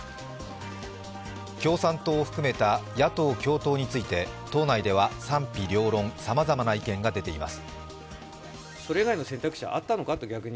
共産党を含めた野党共闘について党内では賛否両論、さまざまな意見が出ています。